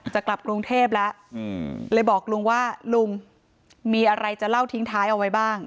จะกลับกรุงเทพแล้วเลยบอกลุงว่าลุงมีอะไรจะเล่าทิ้งท้ายเอาไว้บ้าง